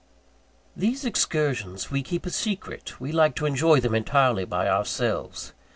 These excursions we keep a secret, we like to enjoy them entirely by ourselves.